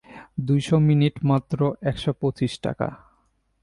দুইশো মিনিট মাত্র একশো পঁচিশ টাকা।